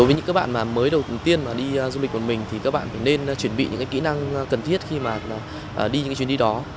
với những bạn mà mới đầu tiên mà đi du lịch một mình thì các bạn phải nên chuẩn bị những kỹ năng cần thiết khi mà đi những chuyến đi đó